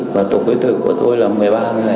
và tổ quyết tử của tôi là một mươi ba người